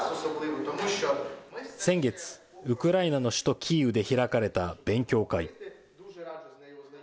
先月、ウクライナの首都キーウで開かれた勉強会。